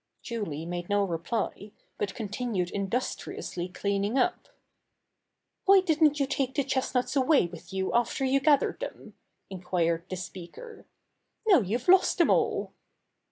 Julie made no reply, but continued indus triously cleaning up. "Why didn't you take the chestnuts away with you after you gath ered them?" inquired the speaker. "Now you've lost them all."